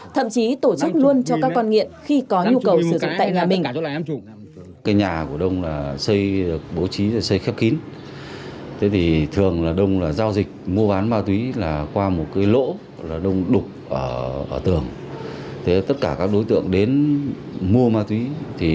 thậm chí tổ chức luôn cho các con nghiện khi có nhu cầu sử dụng tại nhà mình